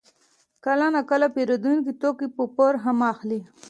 کله ناکله پېرودونکي توکي په پور هم اخلي